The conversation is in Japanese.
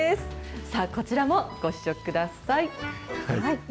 さあ、こちらもご試食ください。